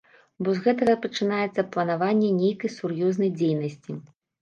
Бо з гэтага пачынаецца планаванне нейкай сур'ёзнай дзейнасці.